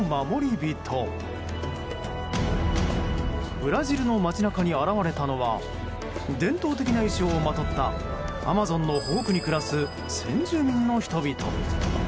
ブラジルの街中に現れたのは伝統的な衣装をまとったアマゾンの保護区に暮らす先住民の人々。